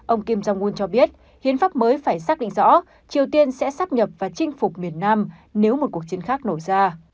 ông kim jong un cho biết hiến pháp mới phải xác định rõ triều tiên sẽ sắp nhập và chinh phục miền nam nếu một cuộc chiến khác nổ ra